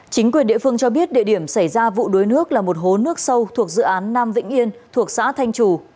chính quyền địa phương cho biết địa điểm xảy ra vụ đuối nước là một hố nước sâu thuộc dự án nam vĩnh yên thuộc xã thanh trù